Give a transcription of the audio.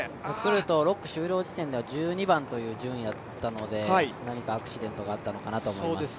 ６区終了時点では１２番という順位だったので何かアクシデントがあったのかなと。